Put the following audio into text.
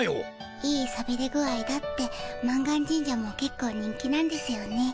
いいさびれ具合だって満願神社もけっこう人気なんですよね。